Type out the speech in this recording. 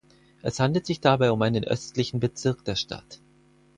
Es handelt sich dabei um einen östlichen Bezirk der Stadt.